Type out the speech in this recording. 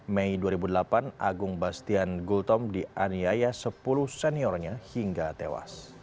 mei dua ribu delapan agung bastian gultom dianiaya sepuluh seniornya hingga tewas